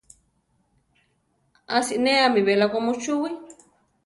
A sinéami belako muchúwii.